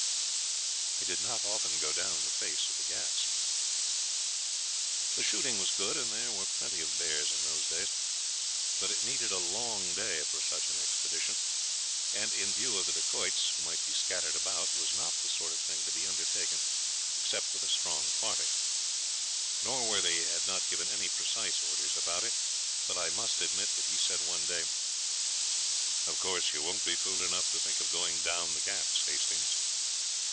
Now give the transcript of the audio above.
I did not often go down the face of the Ghauts. The shooting was good, and there were plenty of bears in those days, but it needed a long day for such an expedition, and in view of the Dacoits who might be scattered about, was not the sort of thing to be undertaken except with a strong party. Norworthy had not given any precise orders about it, but I must admit that he said one day: "'Of course you won't be fool enough to think of going down the Ghauts, Hastings?'